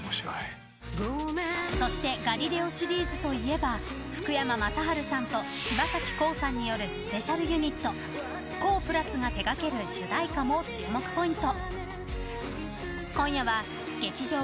そして「ガリレオ」シリーズといえば福山雅治さんと柴咲コウさんによるスペシャルユニットＫＯＨ＋が手掛ける主題歌も注目ポイント。